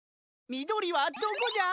みどりはどこじゃ？